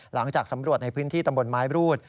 หลังจากสำรวจในพื้นที่ตำบลไม้รูด